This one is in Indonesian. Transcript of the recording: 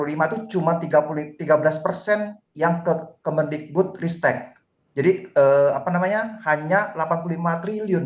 enam ratus dua puluh lima itu cuma tiga puluh tiga belas persen yang ke kemendikbud listek jadi apa namanya hanya delapan puluh lima triliun tiga belas